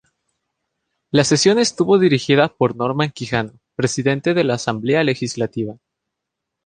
La sesión estuvo dirigida por Norman Quijano, presidente de la Asamblea Legislativa.